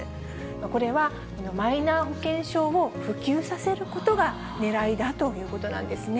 これは、マイナ保険証を普及させることがねらいだということなんですね。